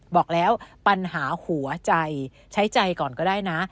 บอกแล้วปัญหาหัวใจใช้ใจก่อนก็ได้นะ